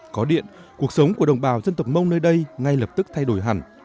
có điện cuộc sống của đồng bào dân tộc mông nơi đây ngay lập tức thay đổi hẳn